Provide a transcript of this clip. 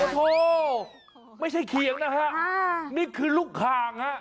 โอ้โหไม่ใช่เขียงนะฮะนี่คือลูกคางฮะ